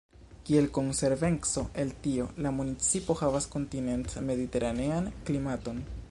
Kiel konsekvenco el tio, la municipo havas kontinent-mediteranean klimaton.